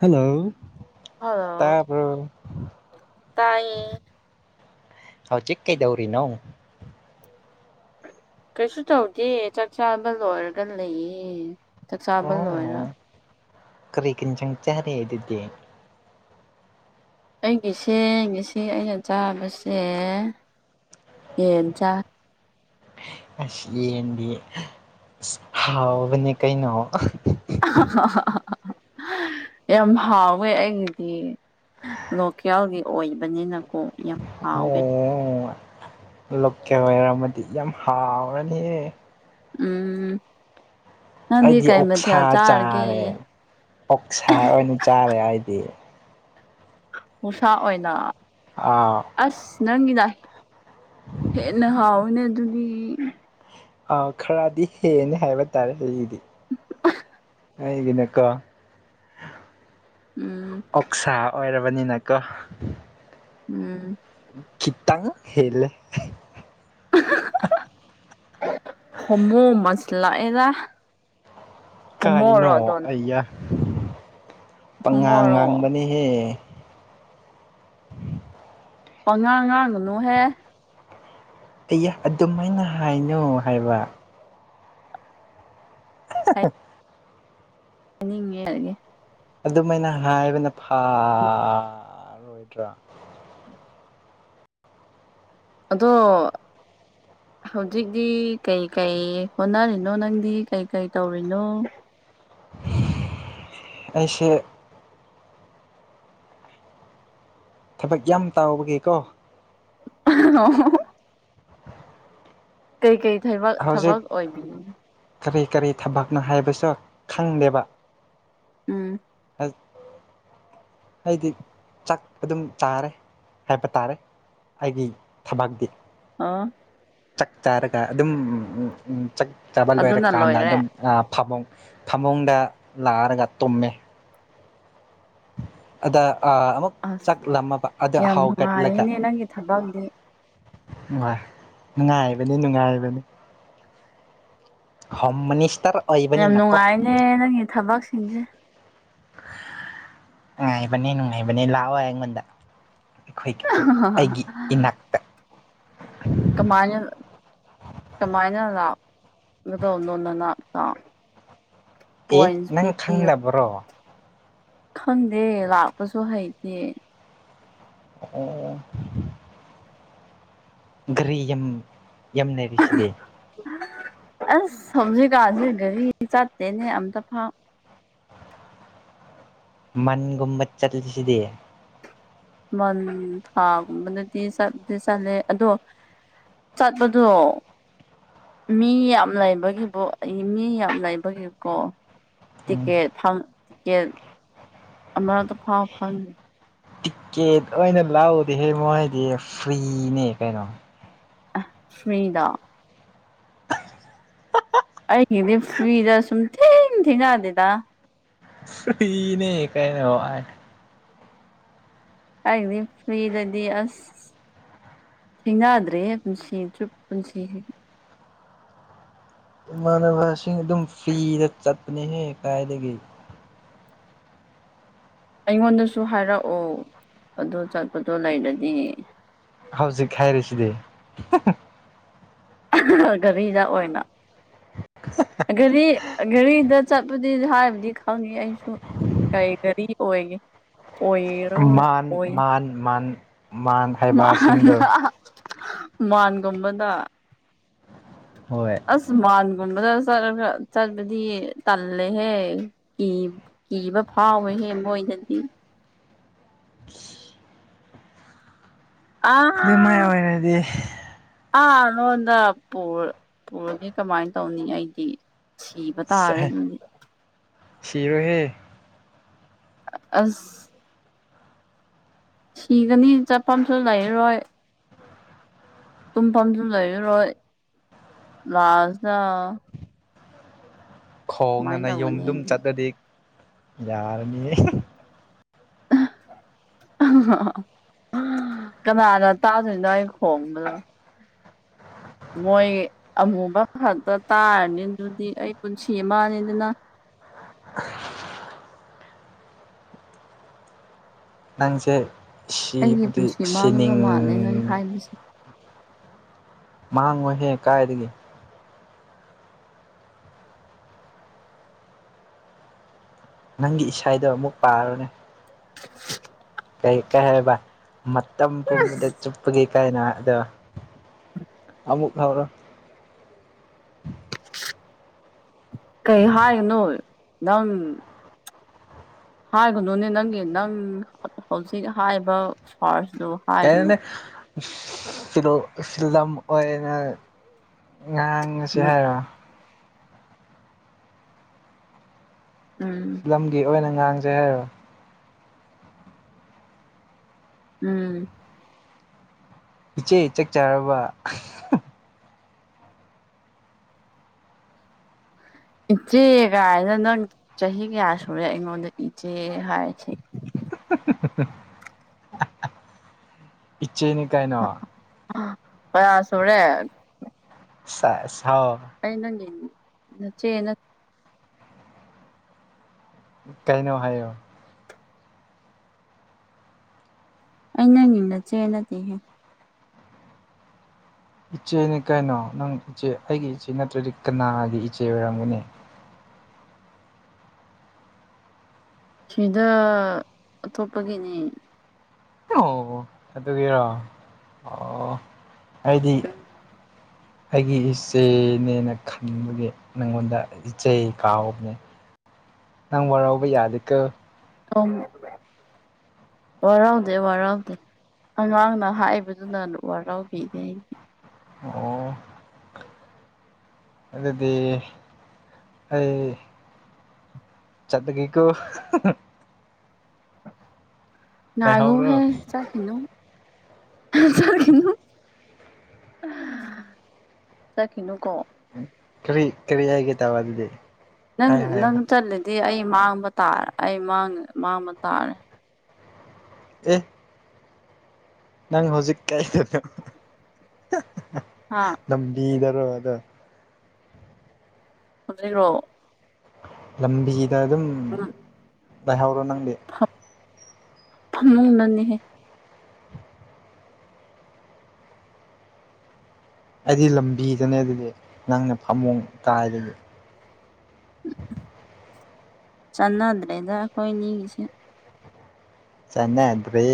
Hello ꯇ hello bro ꯇꯥꯏꯌꯦ ꯍꯥꯎꯆꯤꯛ ꯀꯩꯗꯧꯔꯤꯅꯣ ꯀꯩꯁꯨ ꯇꯧꯗꯦ ꯆꯥꯛ ꯆꯥꯕ ꯂꯣꯏꯔꯒ ꯂꯩꯌꯦ ꯆꯥꯛ ꯆꯥꯕ ꯂꯣꯏꯔ ꯑꯣ ꯀꯔꯤ ꯀꯤꯟꯆꯪ ꯆꯔꯦ ꯑꯗꯨꯗꯤ ꯑꯩꯒꯤꯁꯦ ꯉꯁꯤ ꯑꯩꯅ ꯆꯥꯕꯁꯦ ꯌꯦꯟ ꯆꯥ ꯑꯁ ꯌꯦꯟꯗꯤ ꯍꯥꯎꯕꯅꯦ ꯀꯩꯅꯣ [unintelligible] ꯌꯥꯝ ꯍꯥꯎꯋꯦ ꯑꯩꯒꯤꯗꯤ ꯂꯣꯀꯦꯜꯒꯤ ꯑꯣꯏꯕꯅꯤꯅ ꯀꯣ ꯌꯥꯝ ꯍꯥꯎꯋꯦ ꯑꯣ ꯂꯣꯀꯦꯜ ꯑꯣꯏꯔꯝꯃꯗꯤ ꯌꯥꯝ ꯍꯥꯎꯔꯅꯤꯍꯦ ꯎꯝ ꯅꯪꯗꯤ ꯑꯩꯗꯤ ꯀꯩ ꯑꯣꯛꯁꯥ ꯃꯊꯦꯜ ꯆꯥꯔꯒꯦ ꯆꯥꯔꯦ ꯑꯣꯛꯁꯥ ꯑꯣꯏꯅ ꯆꯥꯔꯦ ꯑꯩꯗꯤ ꯑꯣꯛꯁꯥ ꯑꯣꯏꯅ ꯑꯥꯎ ꯑꯁ ꯅꯪꯒꯤꯅ ꯍꯦꯟꯅ ꯍꯥꯎꯋꯤꯅꯦ ꯑꯗꯨꯗꯤ ꯑꯥꯎ ꯈꯔꯗꯤ ꯍꯦꯜꯂꯦ ꯍꯥꯏꯕ ꯇꯥꯔꯦ ꯑꯩꯒꯤꯗꯤ ꯑꯩꯒꯤꯅꯀꯣ ꯎꯝ ꯑꯣꯛꯁꯥ ꯑꯣꯏꯔꯕꯅꯤꯅ ꯀ ꯎꯝ ꯈꯤꯇꯪ ꯍꯦꯜꯂꯦ [unintelligible] [unintelligible] ꯃꯣ ꯃꯥꯟꯁꯤꯂꯛꯑꯦꯗ ꯀꯥꯏꯅꯣ ꯑꯌꯥ ꯄꯪꯉꯥꯡ ꯍꯣꯃꯣꯔꯣ ꯉꯥꯡꯕꯅꯤꯍꯦ ꯄꯪꯉꯥꯡ ꯉꯥꯡꯒꯅꯨꯍꯦ ꯑꯩꯌꯥ ꯑꯗꯨꯃꯥꯏꯅ ꯍꯥꯏꯅꯣ ꯍꯥꯏꯕ [unintelligible] ꯍꯥꯏꯅꯤꯡꯉꯦ [unintelligible] ꯑꯗꯨꯃꯥꯏꯅ ꯍꯥꯏꯕꯅ ꯐꯔꯣꯏꯗ꯭ꯔ ꯑꯗꯣ ꯍꯧꯖꯤꯛꯇꯤ ꯀꯩ ꯀꯩ ꯍꯣꯠꯅꯔꯤꯅꯣ ꯅꯪꯗꯤ ꯀꯩꯀꯩ ꯇꯧꯔꯤꯅꯣ ꯑꯩꯁꯦ ꯊꯕꯛ ꯌꯥꯝ ꯇꯧꯕꯒꯤ ꯀꯣ [unintelligible] ꯀꯩꯀꯩ ꯊꯩꯕꯛ ꯍꯧꯖꯤꯛ ꯊꯕꯛ ꯑꯣꯏꯕꯤ ꯀꯔꯤ ꯀꯔꯤ ꯊꯕꯛꯅꯣ ꯍꯥꯏꯕꯁꯨ ꯈꯪꯗꯦꯕ ꯎꯝ [unintelligible] ꯑꯩꯗꯤ ꯆꯥꯛ ꯑꯗꯨꯝ ꯆꯥꯔꯦ ꯍꯥꯏꯕ ꯇꯥꯔꯦ ꯑꯩꯒꯤ ꯊꯕꯥꯛꯇꯤ ꯑꯣ ꯆꯥꯛ ꯆꯔꯒ ꯑꯗꯨꯝ ꯆꯥꯛ ꯆꯥꯕ ꯑꯗꯨꯅ ꯂꯣꯏꯔꯀꯥꯟꯗ ꯂꯣꯏꯔꯦ ꯑꯗꯨꯝ ꯑ ꯐꯃꯨꯡ ꯐꯃꯨꯡꯗ ꯂꯥꯛꯔꯒ ꯇꯨꯝꯃꯦ ꯑꯗ ꯑ ꯑꯃꯨꯛ ꯑꯁ ꯆꯥꯛ ꯂꯥꯝꯃꯕ ꯑꯗ ꯌꯥꯝ ꯍꯧꯒꯠꯂꯒ ꯅꯨꯡꯉꯥꯏꯌꯦꯅꯦ ꯅꯪꯒꯤ ꯊꯕꯛꯇꯤ [unintelligible] ꯅꯨꯡꯉꯥꯏꯕꯅꯤ ꯅꯨꯡꯉꯥꯏꯕꯅꯤ ꯍꯣꯝ ꯃꯤꯅꯤꯁꯇ꯭ꯔ ꯌꯥꯝ ꯅꯨꯡꯉꯥꯏꯝꯅꯦ ꯅꯪꯒꯤ ꯊꯕꯛꯁꯤꯡꯖꯦ ꯉꯅꯨꯡꯉꯥꯏꯕꯅꯦ ꯅꯨꯡꯉꯥꯏꯕꯅꯦ ꯂꯥꯛꯑꯣ ꯑꯩꯉꯣꯟꯗ ꯑꯩꯈꯣꯏꯒꯤ ꯑꯩꯒꯤ ꯏꯅꯥꯛꯇ ꯀꯃꯥꯏꯅ ꯀꯃꯥꯏꯅ ꯂꯥꯛꯀꯗꯧꯕꯅꯣ ꯅꯅꯥꯛꯇ [unintelligible] ꯄꯣꯏꯟꯠꯁ ꯄꯤꯕꯤꯌꯣ ꯕꯥꯔꯣ ꯈꯪꯗꯦ ꯂꯥꯛꯄꯁꯨ ꯍꯩꯇꯦ ꯑꯣ ꯒꯥꯔꯤ ꯌꯥꯝ ꯌꯥꯝ ꯂꯩꯔꯤꯁꯤꯗꯤ ꯑꯁ ꯍꯧꯖꯤꯛꯀꯥꯟꯖꯤ ꯒꯥꯔꯤ ꯆꯥꯠꯇꯦꯅꯦ ꯑꯝꯇꯥ ꯐꯥꯎ ꯃꯟꯒꯨꯝꯕ ꯆꯠꯂꯤꯁꯤꯗꯤ ꯃꯟ ꯊꯥꯒꯨꯝꯕꯗꯗꯤ ꯆꯠꯇꯤ ꯆꯠꯂꯦ ꯑꯗꯣ ꯆꯠꯄꯗꯣ ꯃꯤ ꯌꯥꯝ ꯂꯩꯕꯒꯤꯕꯣ ꯑꯩ ꯃꯤ ꯌꯥꯝ ꯂꯩꯕꯒꯤꯀꯣ ꯎꯝ ꯇꯤꯀꯦꯠ ꯐꯪ ꯇꯤꯀꯦꯠ ꯑꯃꯔꯛꯇꯥ ꯐꯥꯎ ꯐꯪ ꯇꯤꯛꯀꯦꯠ ꯑꯣꯏꯅ ꯂꯧꯗꯦꯍꯦ ꯃꯣꯏꯗꯤ ꯐ꯭ꯔꯤꯅꯦ ꯀꯩꯅꯣ ꯑꯦ ꯐꯔꯤꯗꯣ ꯑꯩꯒꯤꯗꯤ ꯐ꯭ꯔꯤꯗ ꯁꯨꯝ ꯊꯦꯡ ꯊꯦꯡꯅꯗꯦꯗꯥ ꯐ꯭ꯔꯤꯅꯦ ꯀꯩꯅꯣ ꯑꯥꯏ ꯑꯩꯒꯤꯗꯤ ꯐ꯭ꯔꯤꯗꯥꯗꯤ ꯑꯁ ꯊꯦꯡꯅꯗ꯭ꯔꯤꯍꯦ ꯄꯨꯟꯁꯤ ꯆꯨꯞ ꯄꯨꯟꯁꯤ ꯏꯃꯥꯟꯅꯕꯁꯤꯡ ꯑꯗꯨꯝ ꯐ꯭ꯔꯤꯗ ꯆꯠꯄꯅꯤꯍꯦ ꯀꯥꯏꯗꯒꯤ ꯑꯩꯉꯣꯟꯗꯁꯨ ꯍꯥꯏꯔꯛꯑꯣ ꯑꯗꯣ ꯆꯠꯄꯗꯣ ꯂꯩꯔꯗꯤ ꯍꯧꯖꯤꯛ ꯍꯥꯏꯔꯤꯁꯤꯗꯤ ꯒꯔꯤꯗꯥ ꯑꯣꯏꯅ ꯒꯥꯔꯤ ꯒꯥꯔꯤꯗ ꯆꯠꯄꯗꯤ ꯍꯥꯏꯕꯗꯤ ꯈꯪꯉꯦ ꯑꯩꯁꯨ ꯀꯔꯤ ꯒꯥꯔꯤ ꯑꯣꯏꯒꯦ ꯑꯣꯏ ꯑꯣꯏꯔꯔꯣꯏ ꯃꯥꯟ ꯃꯥꯟ ꯃꯥꯟ ꯃꯥꯟ ꯃꯥꯟ ꯍꯥꯏꯕꯁꯤꯡꯗꯣ ꯃꯥꯟꯒꯨꯝꯕꯗꯥ ꯍꯣꯏ ꯑꯁ ꯃꯥꯟꯒꯨꯝꯕꯗ ꯆꯠꯂꯒ ꯆꯠꯄꯗꯤ ꯇꯜꯂꯦꯍꯦ ꯀꯤ ꯀꯤꯕ ꯐꯥꯎꯋꯦꯍꯦ ꯃꯣꯏꯗꯥꯗꯤ ꯑꯗꯨꯃꯥꯏ ꯑꯥ ꯑꯣꯏꯔꯗꯤ ꯑꯥ ꯔꯣꯟꯗ ꯄꯨꯔꯥ ꯄꯨꯔꯥꯗꯤ ꯀꯃꯥꯏ ꯇꯧꯅꯤ ꯑꯩꯗꯤ ꯁꯤꯕꯥ ꯇꯥꯔꯦ ꯁꯦ ꯑꯗꯨꯗꯤ ꯁꯤꯔꯣꯏꯍꯦ ꯑꯁ ꯁꯤꯒꯥꯅꯤ ꯆꯠꯐꯝꯁꯨ ꯂꯩꯔꯣꯏ ꯇꯨꯝ ꯐꯝꯁꯨ ꯂꯩꯔꯣꯏ ꯂꯥꯁꯇꯥ ꯈꯣꯡꯅ ꯀꯃꯥꯏꯅ ꯇꯧꯒꯅꯤ ꯅꯌꯨꯝꯗꯨꯝ ꯑꯩꯗꯤ ꯆꯠꯂꯗꯤ ꯌꯥꯔꯅꯤꯌꯦ ꯀꯅꯥꯅ ꯇꯥꯗꯣꯏꯅꯣ ꯑꯩ ꯈꯣꯡꯕꯗꯣ ꯃꯣꯏ ꯑꯃꯨꯕ ꯈꯛꯇꯥ ꯇꯥꯔꯅꯤ ꯑꯗꯨꯗꯤ ꯑꯩ ꯄꯨꯟꯁꯤ ꯃꯥꯅꯤꯗꯅ ꯅꯪꯁꯦ ꯑꯩꯒꯤ ꯁꯤꯕꯨꯗꯤ ꯄꯨꯟꯁꯤ ꯃꯥꯡꯒꯗꯧ ꯁꯤꯅꯤꯡ ꯃꯥꯜꯂꯦ ꯅꯪ ꯍꯥꯏꯕꯁꯦ ꯃꯥꯡꯉꯣꯏꯍꯦ ꯀꯥꯏꯗꯒꯤ ꯅꯪꯒꯤ ꯏꯁꯩꯗꯣ ꯑꯃꯨꯛ ꯄꯥꯔꯣꯅꯦ ꯀꯩ ꯀꯩ ꯍꯥꯏꯕ ꯃꯇꯝ ꯄꯨꯝꯕꯗ ꯆꯨꯞꯄꯒꯤ ꯀꯥꯏꯅ ꯑꯗꯣ ꯑꯃꯨꯛ ꯍꯧꯔꯣ ꯀꯩ ꯍꯥꯏꯒꯅꯣ ꯅꯪ ꯍꯥꯏꯒꯅꯣꯅꯦ ꯅꯪꯒꯤ ꯅꯪ ꯍꯧꯖꯤꯛ ꯍꯥꯏꯕ ꯄꯥꯔꯁꯗꯨ ꯀꯩꯅꯣꯅꯤ ꯐꯤꯂꯣ ꯐꯤꯂꯝ ꯑꯣꯏꯅ ꯉꯥꯡ ꯉꯁꯤ ꯍꯥꯏꯔꯣ ꯎꯝ ꯂꯝꯒꯤ ꯑꯣꯏꯅ ꯉꯥꯡꯖꯦ ꯍꯥꯏꯔꯣ ꯎꯝ ꯏꯆꯦ ꯆꯛ ꯆꯥꯔꯕ ꯏꯆꯦ ꯒꯥꯏꯅ ꯅꯪ ꯆꯍꯤ ꯀꯌꯥ ꯁꯨꯔꯦ ꯑꯩꯉꯣꯟꯗ ꯏꯆꯦ ꯍꯥꯏꯁꯦ ꯏꯆꯦꯅꯤ ꯀꯩꯅꯣ ꯑꯥ [unintelligible] ꯀꯌꯥ ꯁꯨꯔꯦ ꯁꯦꯁ [unintelligible] ꯍꯥꯎ [unintelligible] ꯑꯩ ꯅꯪꯒꯤ ꯅꯆꯦ ꯅꯠ ꯀꯩꯅꯣ ꯍꯥꯏꯌꯣ ꯑꯩ ꯅꯪꯒꯤ ꯅꯆꯦ ꯅꯠꯇꯦꯍꯦ ꯏꯆꯦꯅꯤ ꯀꯩꯅꯣ ꯅꯪ ꯏꯆꯦ ꯑꯩꯒꯤ ꯏꯆꯦ ꯅꯠꯇ꯭ꯔꯗꯤ ꯀꯅꯥꯒꯤ ꯏꯆꯦ ꯑꯣꯏꯔꯝꯒꯅꯤ ꯁꯤꯗ ꯑꯇꯣꯞꯄꯒꯤꯅꯤ ꯑꯣ ꯑꯗꯨꯒꯤꯔꯣ ꯑꯣ ꯑꯩꯗꯤ ꯑꯩꯒꯤ ꯏꯆꯦꯅꯦꯅ ꯈꯟꯕꯒꯤ ꯅꯪꯉꯣꯟꯗ ꯏꯆꯦ ꯀꯥꯎꯕꯅꯦ ꯅꯪ ꯋꯥꯔꯧꯕ ꯌꯥꯗꯦꯀꯣ ꯑꯧ ꯋꯥꯔꯧꯗꯦ ꯋꯥꯔꯧꯗꯦ ꯑꯉꯥꯡꯅ ꯍꯥꯏꯕꯗꯨꯅ ꯋꯥꯔꯧꯕꯤꯔꯦ [unintelligible] ꯑꯩꯗꯤ ꯑꯣ ꯑꯗꯨꯗꯤ ꯑꯩ ꯆꯠꯂꯒꯦꯀꯣ ꯅꯥꯏꯔꯨꯍꯦ ꯂꯩꯍꯧꯔꯣ [unintelligible] ꯆꯠꯈꯤꯅꯨ ꯆꯠꯈꯤꯅꯨ ꯆꯠꯈꯤꯅꯨꯀꯣ ꯀ꯭ꯔꯤ ꯀꯔꯤ ꯍꯥꯏꯒꯦ ꯇꯧꯕ ꯑꯗꯨꯗꯤ ꯅꯪ ꯍꯥꯏꯌꯣ ꯍꯥꯏꯌꯣ ꯅꯪ ꯆꯠꯂꯗꯤ ꯑꯩ ꯃꯥꯡꯕ ꯇꯥꯔ ꯑꯩ ꯃꯥꯡꯉꯦ ꯃꯥꯡꯕ ꯇꯥꯔꯦ ꯑꯦ ꯅꯪ ꯍꯧꯖꯤꯛ [unintelligible] ꯍꯥꯥ ꯂꯝꯕꯤꯗꯔꯣ ꯑꯗ [unintelligible] ꯁꯝꯖꯈ꯭ꯔꯣ [unintelligible] ꯂꯝꯕꯤꯗ ꯑꯗꯨꯝ ꯑ [unintelligible] ꯥꯂꯩꯍꯧꯔꯣ ꯅꯪꯗꯤ ꯐ [unintelligible] ꯐꯃꯨꯡꯗꯅꯤꯍꯦ ꯑꯩꯗꯤ ꯂꯝꯕꯤꯗꯅꯦ ꯑꯗꯨꯗꯤ ꯅꯪꯅ ꯐꯃꯨꯡ ꯀꯥꯏꯗꯗꯤ [unintelligible] ꯆꯥꯟꯅꯗ꯭ꯔꯦꯗ ꯑꯩꯈꯣꯏꯅꯤꯒꯤꯁꯦ ꯆꯥꯟꯅꯗ꯭ꯔꯦ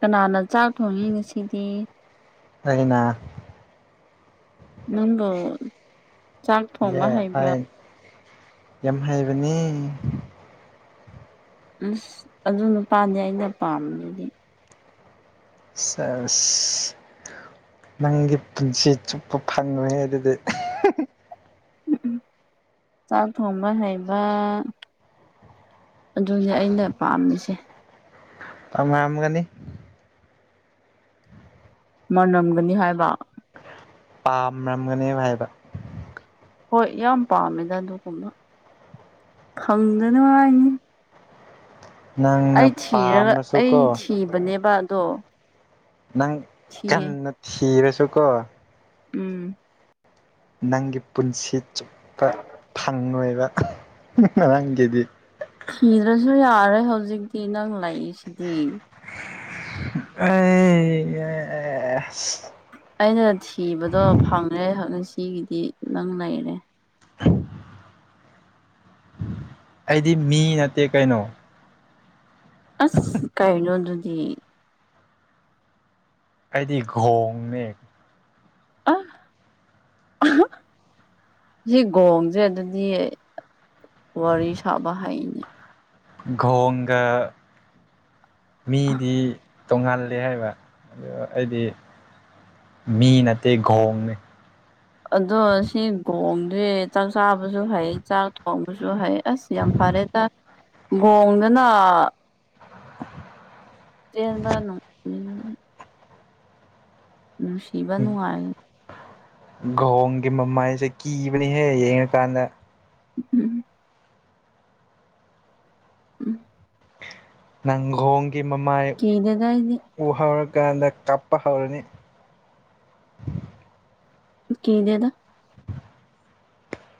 ꯀꯅꯥꯅ ꯆꯥꯛ ꯊꯣꯡꯉꯤ ꯉꯁꯤꯗꯤ ꯑꯩꯅ ꯅꯪꯕꯣ [unintelligible] ꯌꯥꯝ ꯍꯩꯕꯅꯤ ꯑ꯭ꯁ ꯑꯗꯨ ꯅꯨꯄꯥꯅꯦ ꯑꯩꯅ ꯄꯥꯝꯕꯅꯤꯗꯤ [unintelligible] ꯁꯦꯖ ꯅꯪꯒꯤ ꯄꯨꯟꯁꯤ ꯆꯨꯞꯄ ꯐꯪꯉꯦ ꯑꯗꯨꯗꯤ ꯎꯝ [unintelligible] ꯆꯥꯛ ꯊꯣꯡꯕ ꯍꯩꯕ ꯑꯗꯨꯅꯦ ꯑꯩꯅ ꯄꯥꯝꯃꯤꯁꯦ ꯑꯃꯝꯒꯅꯤ꯫ ꯃꯅꯝꯒꯅꯤ ꯍꯥꯏꯕ꯫ ꯄꯥꯝꯔꯝꯒꯅꯤ ꯍꯥꯏꯕ꯫ ꯍꯣꯏ ꯌꯥꯝ ꯄꯥꯝꯃꯦꯗ ꯑꯗꯨꯒꯨꯝꯕ ꯈꯪꯗꯅꯉꯥꯏꯅꯤ꯫ ꯅꯪꯅ ꯑꯩ ꯊꯤꯔꯒ ꯑꯩ ꯄꯥꯝꯔꯁꯨꯀꯣ ꯊꯤꯕꯅꯦꯕ ꯑꯗꯣ, ꯅꯪ ꯊꯤ ꯀꯟꯅ ꯊꯤꯔꯁꯨ ꯀꯣ ꯎꯝ ꯅꯪꯒꯤ ꯄꯨꯟꯁꯤ ꯆꯨꯞꯄ ꯐꯪꯂꯪꯂꯣꯏꯕ ꯅꯪꯒꯤꯗꯤ꯫ ꯊꯤꯗ꯭ꯔꯁꯨ ꯌꯥꯔꯦ ꯍꯧꯖꯤꯛꯇꯤ ꯅꯪ ꯂꯥꯛꯏꯁꯤꯗꯤ꯫ ꯑꯦ ꯑꯩꯅ ꯊꯤꯕꯗꯣ ꯐꯪꯉꯦ ꯉꯁꯤꯒꯤꯗꯤ ꯅꯪ ꯂꯩꯔꯦ꯫ ꯑꯩꯗꯤ ꯃꯤ ꯅꯠꯇꯦ ꯀꯩꯅꯣ꯫ ꯑꯁ ꯀꯩꯅꯣ ꯑꯗꯨꯗꯤ꯫ ꯑꯩꯗꯤ ꯒꯣꯡꯅꯦ꯫ ꯑ ꯁꯤ ꯒꯣꯡꯁꯦ ꯑꯗꯨꯗꯤ, ꯋꯥꯔꯤ ꯁꯕ ꯍꯥꯏꯅꯤ꯫ ꯒꯣꯡꯒ ꯃꯤꯗꯤ, ꯇꯣꯡꯉꯥꯜꯂꯦ ꯍꯥꯏꯕ ꯑꯗꯨ ꯑꯩꯗꯤ ꯃꯤ ꯅꯠꯇꯦ ꯒꯣꯡꯅꯦ꯫ ꯑꯗꯣ ꯑꯁꯤ ꯒꯣꯡꯗꯤ ꯆꯥꯛ ꯆꯥꯕꯁꯨ ꯍꯩ ꯆꯥꯛ ꯊꯣꯡꯕꯁꯨ ꯍꯩ꯫ ꯑꯁ ꯌꯥꯝ ꯐꯔꯦꯗ ꯒꯣꯡꯗꯅ, ꯆꯦꯟꯕ ꯅꯨꯡ ꯅꯨꯡꯁꯤꯕ ꯅꯨꯡꯉꯥꯏ꯫ ꯒꯣꯡꯒꯤ ꯃꯃꯥꯏꯁꯦ ꯀꯤꯕꯅꯤꯍꯦ ꯌꯦꯡꯉꯀꯥꯟꯗ꯫ ꯎꯝ ꯎꯝ ꯅꯪꯒꯣꯡꯒꯤ ꯃꯃꯥꯏ ꯀꯤꯗꯦꯗ ꯑꯩꯗꯤ ꯎ ꯍꯧꯔꯀꯥꯟꯗ ꯀꯥꯞꯄ ꯍꯧꯔꯅꯤ꯫ ꯀꯤꯗꯦꯗ꯫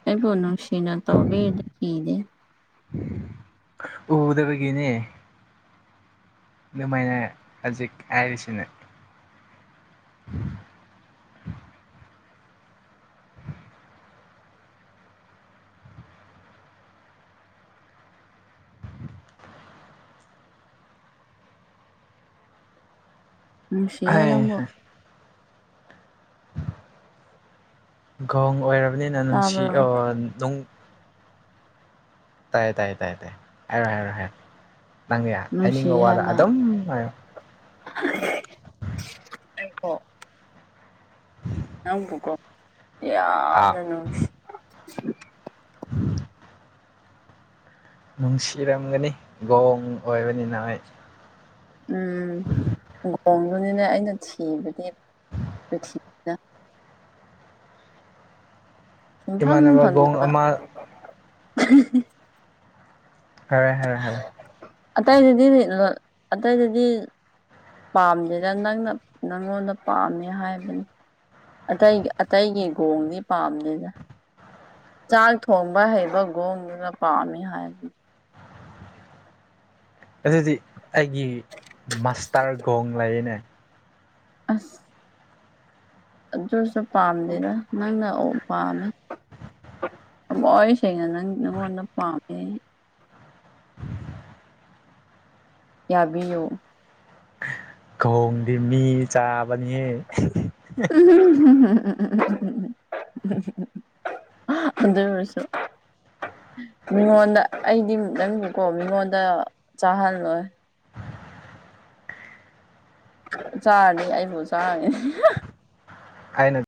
ꯑꯩꯕꯨ ꯅꯨꯡꯁꯤꯅ ꯇꯧꯕꯤꯔꯗꯤ ꯀꯤꯗꯦ꯫ ꯎꯗꯕꯒꯤꯅꯦ꯫ ꯑꯗꯨꯃꯥꯏꯅ ꯍꯖꯤꯛ ꯍꯥꯏꯔꯤꯁꯤꯅꯦ꯫ ꯅꯨꯡꯁꯤꯌꯦ ꯅꯪꯕꯨ꯫ ꯒꯣꯡ ꯑꯣꯏꯔꯕꯅꯤꯅ ꯅꯨꯡꯁꯤ ꯇꯥꯕ꯭ꯔꯣ ꯑꯣ ꯅꯨꯡ ꯇꯥꯏꯌꯦ ꯇꯥꯏꯌꯦ ꯇꯥꯏꯌꯦ ꯇꯥꯏꯌꯦ ꯍꯥꯏꯔꯣ ꯍꯥꯏꯔꯣꯏ ꯍꯥꯏꯔꯣ ꯅꯪꯅ ꯌꯥꯝ ꯍꯥꯏꯅꯤꯡꯕ ꯅꯨꯡꯁꯤꯌꯦ ꯋꯥꯗ ꯍꯥꯏꯕ ꯑꯗꯨꯝ ꯍꯥꯏꯌꯣ꯫ [unintelligible] ꯑꯩꯀꯣ꯫ [inaudible] ꯅꯪꯕꯨꯀꯣ ꯑꯥ ꯌꯥꯝꯅ ꯅꯨꯡꯁꯤ꯫ [inaudible] ꯅꯨꯡꯁꯤꯔꯝꯒꯅꯤ ꯒꯣꯡ ꯑꯣꯏꯕꯅꯤꯅ ꯍꯣꯏ꯫ ꯎꯝ ꯒꯣꯡꯗꯨꯅꯤꯅꯦ ꯑꯩꯅ ꯊꯤꯕꯗꯤ ꯄ꯭ꯔꯤꯊꯤ ꯁꯨꯡꯐꯪ ꯏꯃꯥꯟꯅꯕ ꯒꯣꯡ ꯐꯪꯗꯕ꯫ ꯑꯃ ꯍꯥꯏꯔꯦ ꯍꯥꯏꯔꯦ ꯍꯥꯏꯔꯦ꯫ ꯑꯇꯩꯗꯗꯤ ꯑꯇꯩꯗꯗꯤ꯫ ꯄꯥꯝꯗꯦꯗ ꯅꯪꯅ ꯅꯪꯉꯣꯟꯗ ꯄꯥꯝꯃꯦ ꯍꯥꯏꯕꯅꯤ꯫ ꯑꯇꯩ ꯑꯇꯩꯒꯤ ꯈꯒꯣꯡꯗꯤ ꯄꯥꯝꯗꯦꯗ꯫ ꯆꯥꯛ ꯊꯣꯡꯕ ꯍꯩꯕ ꯒꯣꯡꯗꯨꯅ ꯄꯥꯝꯃꯤ ꯍꯥꯏꯕꯅꯤ꯫ ꯑꯗꯨꯗꯤ ꯑꯩꯒꯤ ꯃꯁꯇꯔ ꯒꯣꯞ ꯂꯩꯅꯦ ꯑꯁ ꯑꯗꯨꯁꯨ ꯄꯥꯝꯗꯦꯗ ꯅꯪꯅ ꯑꯣ ꯄꯥꯝꯃꯦ ꯊꯃꯣꯏ ꯁꯦꯡꯅ ꯅꯪ ꯅꯪꯉꯣꯟꯗ ꯄꯥꯝꯃꯦ ꯌꯥꯕꯤꯌꯨ ꯈꯣꯡꯗꯤ ꯃꯤ ꯆꯥꯕꯅꯤꯍꯦ ꯎꯝ [unintelligible] ꯑꯗꯨ ꯑꯣꯏꯔꯁꯨ ꯃꯤꯉꯣꯟꯗ ꯑꯩꯗꯤ ꯅꯪꯅꯀꯣ ꯃꯤꯉꯣꯟꯗ ꯆꯥꯍꯜꯂꯣꯏ ꯆꯥꯔꯅꯤ ꯑꯩꯅꯕꯨ ꯆꯥꯔꯅꯤ ꯑꯩꯅ